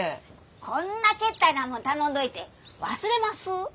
こんなけったいなもん頼んどいて忘れます？